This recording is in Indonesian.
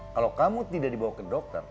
kalau kamu tidak dibawa ke dokter